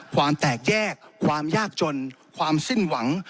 ความแตกแยกความยากจนความสิ้นหวัง